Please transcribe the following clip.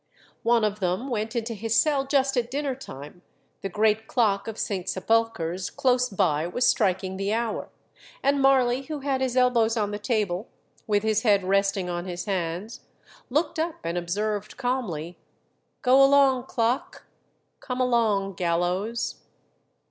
One of them went into his cell just at dinner time; the great clock of St. Sepulchre's close by was striking the hour, and Marley, who had his elbows on the table, with his head resting on his hands, looked up and observed calmly, "Go along, clock; come along, gallows."